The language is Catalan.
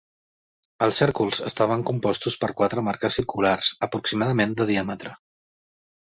El cèrcols estaven compostos per quatre marques circulars aproximadament de diàmetre.